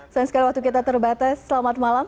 sayang sekali waktu kita terbatas selamat malam